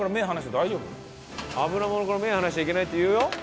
油ものから目離しちゃいけないっていうよ。